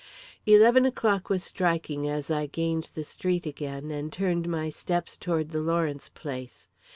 Eleven o'clock was striking as I gained the street again, and turned my steps toward the Lawrence place.